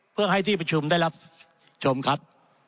เพื่อให้ที่ประชุมได้รับชมครับ